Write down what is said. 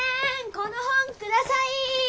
この本ください。